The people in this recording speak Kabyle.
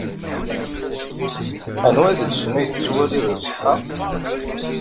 Anwa deg-sen ay tettwaliḍ iṣeḥḥa?